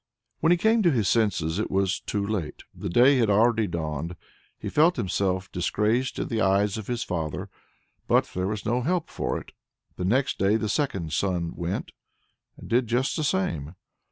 When he came to his senses it was too late; the day had already dawned. He felt himself disgraced in the eyes of his father, but there was no help for it. The next day the second son went, and did just the same.